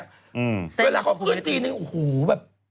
เวลาเขาขึ้นจีนนึกออกโอ้โหแบบ